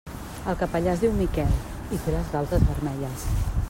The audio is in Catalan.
El capellà es diu Miquel i té les galtes vermelles.